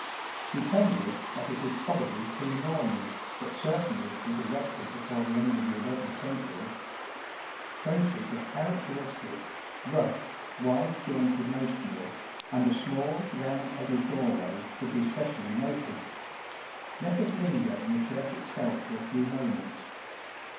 He tells us that it is probably pre Norman, but certainly was erected before the end of the 11th century. Traces of characteristic, rough, wide jointed masonry and a small, round headed doorway should be specially noted. Let us linger in the church itself for a few moments.